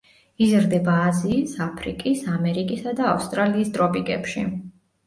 იზრდება აზიის, აფრიკის, ამერიკისა და ავსტრალიის ტროპიკებში.